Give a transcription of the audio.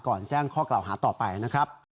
แจ้งข้อกล่าวหาต่อไปนะครับ